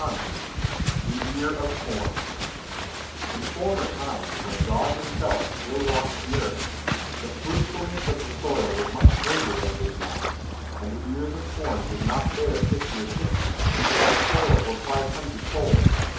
194 The Ear of Corn In former times, when God himself still walked the earth, the fruitfulness of the soil was much greater than it is now; then the ears of corn did not bear fifty or sixty, but four or five hundred fold.